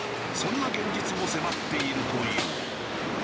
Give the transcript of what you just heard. そんな現実も迫っているという。